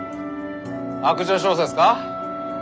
悪女小説か？